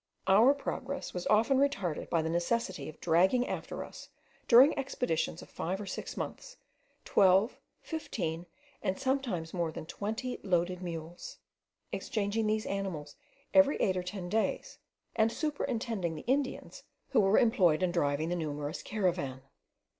Our progress was often retarded by the necessity of dragging after us, during expeditions of five or six months, twelve, fifteen, and sometimes more than twenty loaded mules, exchanging these animals every eight or ten days, and superintending the Indians who were employed in driving the numerous caravan.